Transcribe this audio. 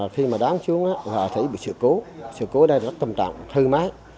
khi đáng xuống thấy bị sự cố sự cố ở đây rất tầm trọng thư mái